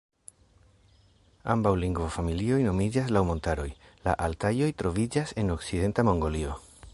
Ambaŭ lingvofamilioj nomiĝas laŭ montaroj; la Altajoj troviĝas en okcidenta Mongolio.